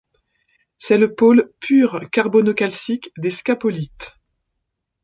C'est le pôle pur carbono-calcique des scapolites.